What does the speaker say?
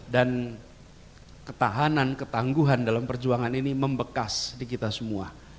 dan ketahanan ketangguhan dalam perjuangan ini membekas di kita semua